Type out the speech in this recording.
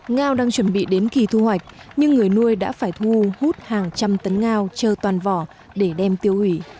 ngao đang chuẩn bị đến kỳ thu hoạch nhưng người nuôi đã phải thu hút hàng trăm tấn ngao trơ toàn vỏ để đem tiêu hủy